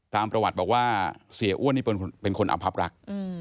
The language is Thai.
ตามประวัติบอกว่าเสียอ้วนนี่เป็นคนอำพับรัก